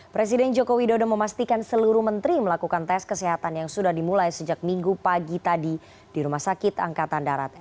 presiden joko widodo memastikan seluruh menteri melakukan tes kesehatan yang sudah dimulai sejak minggu pagi tadi di rumah sakit angkatan darat